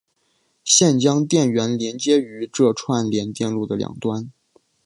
现将电源连接于这串联电路的两端。